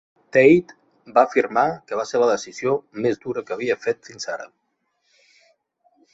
Tate va afirmar que va ser la decisió "més dura que havia fet fins ara".